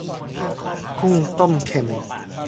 กุ้งต้มเค็ม